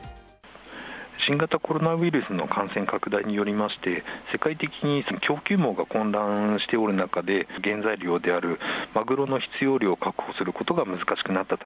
新型コロナウイルスの感染拡大によりまして、世界的に供給網が混乱しておる中で、原材料であるマグロの必要量を確保することが難しくなった。